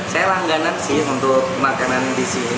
saya langganan sih untuk makanan di sini